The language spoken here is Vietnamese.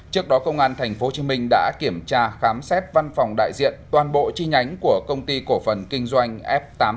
trước đó công an tp hcm đã kiểm tra khám xét văn phòng đại diện toàn bộ chi nhánh của công ty cổ phần kinh doanh f tám mươi tám